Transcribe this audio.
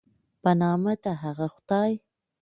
په نامه د هغه خدای